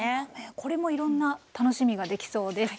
これもいろんな楽しみができそうです。